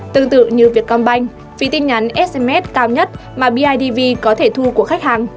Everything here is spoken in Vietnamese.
tương tự như việt công banh phí tin nhắn sms cao nhất mà bidv có thể thu của khách hàng